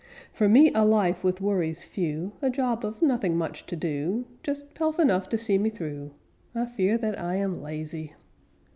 For me, a life with worries few, A job of nothing much to do, Just pelf enough to see me through: I fear that I am lazy.